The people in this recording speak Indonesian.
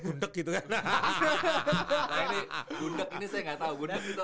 gundek ini saya nggak tau